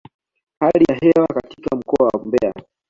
Hali ya hewa katika mkoa wa Mbeya